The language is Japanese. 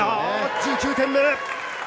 １９点目。